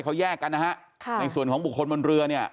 เขาแยกกันนะฮะค่ะในส่วนของบุคคลบนเรือเนี่ย